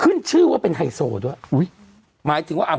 ขึ้นชื่อว่าเป็นไฮโซด้วยอุ้ยหมายถึงว่าอ่า